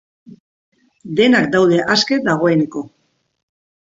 Denak daude aske dagoeneko.